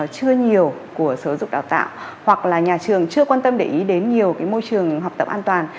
chưa nhiều của sở dục đào tạo hoặc là nhà trường chưa quan tâm để ý đến nhiều môi trường học tập an toàn